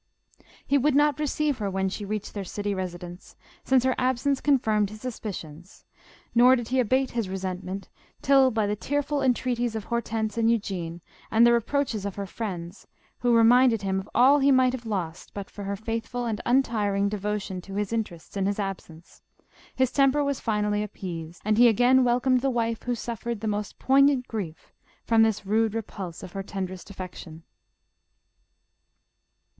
He would not receive her when she reached their city residence, since her ab sence confirmed his suspicions, nor did he abate his resentment till, by the tearful entreaties of Hortense and Eugene, and the reproaches of her friends, who reminded him of all he might have lost but for her J08BPHIN*. 245 faithful and untiring devotion to his interests in his ab sence, his temper was finally appeased, and he again welcomed the wife who suffered the most poignant grief from this rude repulse of her tenderest affection.